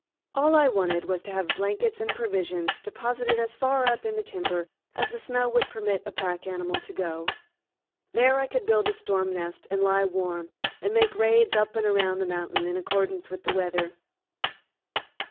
All I wanted was to have blankets and provisions deposited as far up in the timber as the snow would permit a pack animal to go. There I could build a storm nest and lie warm, and make raids up and around the mountain in accordance with the weather.